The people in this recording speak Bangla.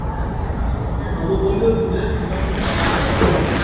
নগরীর আশেপাশে নবোপলীয় যুগের নিদর্শন পাওয়া গেছে।